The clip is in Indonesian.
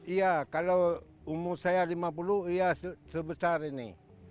iya kalau umur saya lima puluh ya sebesar ini